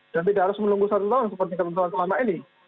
dan tidak harus menunggu satu tahun seperti kelas kelas selama ini